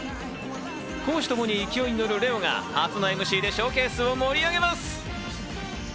公私ともに勢いに乗るＬＥＯが初のＭＣでＳＨＯＷＣＡＳＥを盛り上げます。